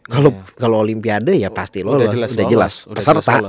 kalau olimpiade ya pasti lolos sudah jelas peserta